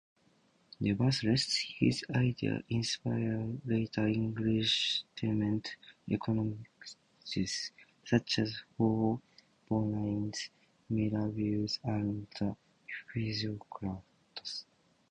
Nevertheless, his ideas inspired later Enlightenment economists, such as Forbonnais, Mirabeau and the Physiocrats.